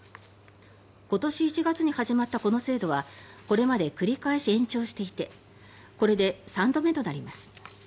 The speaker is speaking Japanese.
今年１月に始まったこの制度はこれまで繰り返し延長していてこれで３度目となります。